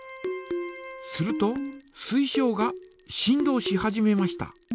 すると水晶が振動し始めました。